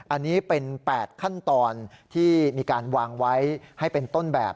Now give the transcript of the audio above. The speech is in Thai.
อันนี้เป็น๘ขั้นตอนที่มีการวางไว้ให้เป็นต้นแบบ